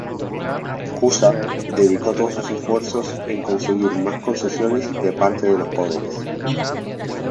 Cuza dedicó todo sus esfuerzos en conseguir más concesiones de parte de los poderes.